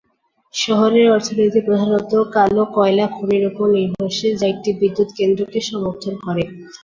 শহরের অর্থনীতি প্রধানত কালো কয়লা খনির উপর নির্ভরশীল, যা একটি বিদ্যুৎ কেন্দ্রকে সমর্থন করে।